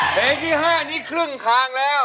เพลงที่๕นี้ครึ่งทางแล้ว